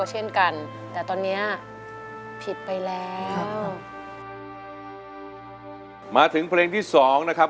เช่นกันแต่ตอนเนี้ยผิดไปแล้วมาถึงเพลงที่สองนะครับ